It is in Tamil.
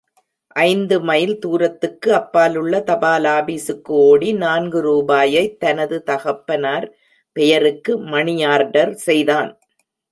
ஐந்து மைல் தூரத்துக்கு அப்பாலுள்ள தபாலாபீசுக்கு ஓடி, நான்கு ரூபாயைத் தனது தகப்பனார் பெயருக்கு மணியார்டர் செய்தான்.